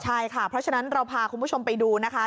ใช่ค่ะเพราะฉะนั้นเราพาคุณผู้ชมไปดูนะคะ